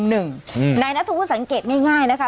นายนัทธวุฒิสังเกตง่ายนะคะ